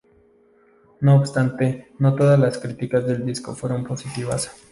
No obstante, no todas las críticas del disco fueron positivas.